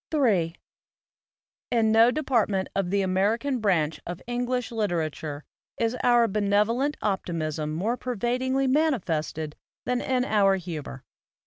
Ill IN no department of the American branch of English literature is our benevolent optimism more pervadingly manifested than in our humor.